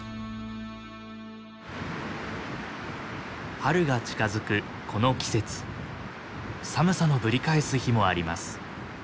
春が近づくこの季節寒さのぶり返す日もあります。